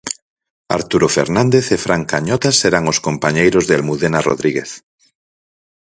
Arturo Fernández e Fran Cañotas, serán os compañeiros de Almudena Rodríguez.